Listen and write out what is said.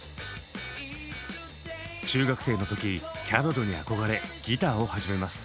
中学生の時キャロルに憧れギターを始めます。